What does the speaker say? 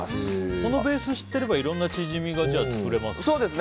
このベース知ってればいろんなチヂミが作れますね。